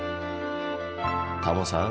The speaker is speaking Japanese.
タモさん